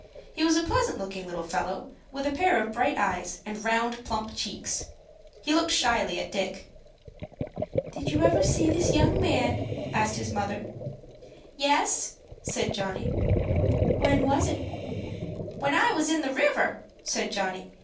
He was a pleasant looking little fellow, with a pair of bright eyes, and round, plump cheeks. He looked shyly at Dick. "Did you ever see this young man?" asked his mother. "Yes," said Johnny. "When was it?" "When I was in the river," said Johnny.